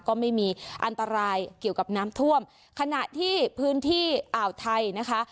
ก็ไม่มีอันตรายเกี่ยวกับน้ำท่วมขณะที่พื้นที่อ่าวไทยนะคะ